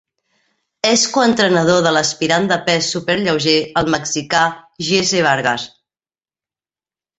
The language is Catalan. És co-entrenador de l'aspirant de pes superlleuger, el mexicà Jesse Vargas.